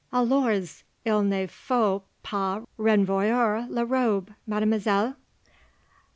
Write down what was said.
"_Alors il ne faut pas renvoyer la robe, Mademoiselle?